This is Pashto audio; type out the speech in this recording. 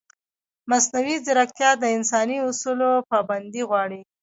مصنوعي ځیرکتیا د انساني اصولو پابندي غواړي.